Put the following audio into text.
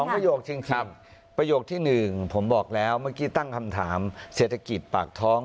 ประโยคจริงประโยคที่๑ผมบอกแล้วเมื่อกี้ตั้งคำถามเศรษฐกิจปากท้อง